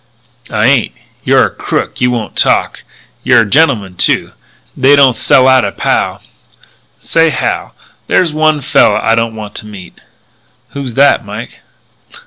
"I ain't. You're a crook; you won't talk. You're a gentleman, too. They don't sell out a pal. Say, Hal, there's only one fella I don't want to meet." "Who's that, Mike?"